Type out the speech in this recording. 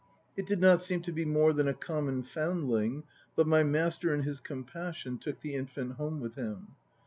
It did not seem to be more than a common foundling, but my master in his compassion took the infant home with him.